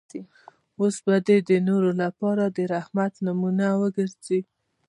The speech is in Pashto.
اوس به دی د نورو لپاره د رحمت نمونه وګرځي.